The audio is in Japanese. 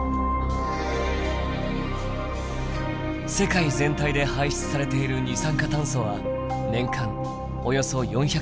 世界全体で排出されている二酸化炭素は年間およそ４００億トン。